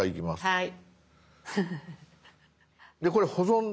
はい。